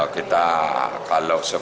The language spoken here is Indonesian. kita kalau seberang